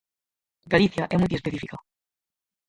Galicia é multiespecífica.